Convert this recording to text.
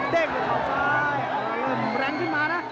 เด้งด้วยเขาซ้ายเริ่มแรงขึ้นมานะ